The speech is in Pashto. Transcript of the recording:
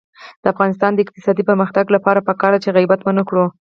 د افغانستان د اقتصادي پرمختګ لپاره پکار ده چې غیبت ونکړو.